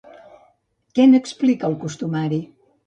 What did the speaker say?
Què n'explica el costumari?